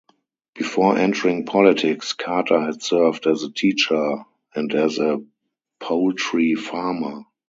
Before entering politics, Carter had served as a teacher and as a poultry farmer.